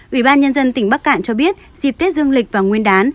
ủy ban nhân dân tỉnh bắc cạn cho biết dịp tết dương lịch và nguyên đán